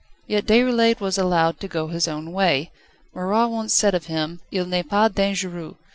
Yet Déroulède was allowed to go his own way. Marat once said of him: "Il n'est pas dangereux."